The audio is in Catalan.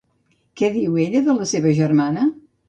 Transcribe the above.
Què diu ella de la seva germana?